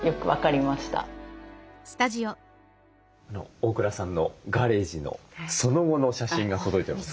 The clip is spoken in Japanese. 大倉さんのガレージのその後の写真が届いてます。